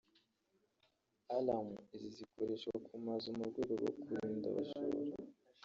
Alarm izi zikoreshwa ku mazu mu rwego rwo kwirinda abajura